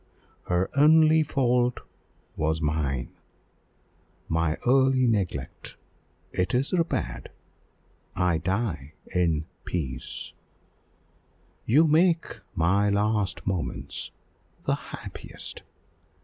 Her only fault was mine my early neglect: it is repaired I die in peace! You make my last moments the happiest!